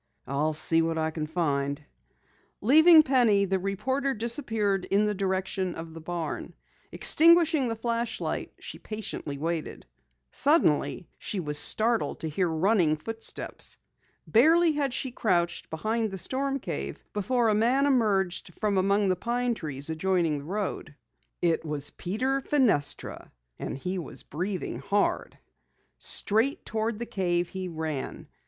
"I'll see what I can find." Leaving Penny, the reporter disappeared in the direction of the barn. Extinguishing the flashlight, she patiently waited. Suddenly she was startled to hear running footsteps. Barely had she crouched behind the storm cave before a man emerged from among the pine trees adjoining the road. It was Peter Fenestra and he was breathing hard. Straight toward the cave he ran.